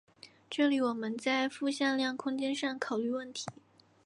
这里我们在复向量空间上考虑问题。